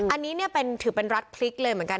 อันนี้เนี่ยถือเป็นรัฐพลิกเลยเหมือนกัน